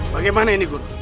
bagaimana ini guru